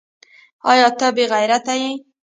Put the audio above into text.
ایا ته بې غیرته یې ؟